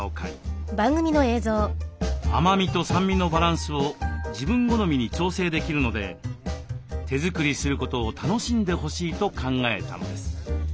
甘みと酸味のバランスを自分好みに調整できるので手作りすることを楽しんでほしいと考えたのです。